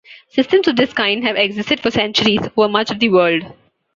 Systems of this kind have existed for centuries over much of the world.